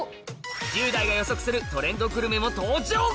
１０代が予測するトレンドグルメも登場！